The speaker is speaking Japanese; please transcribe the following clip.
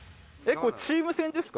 これチーム戦ですか？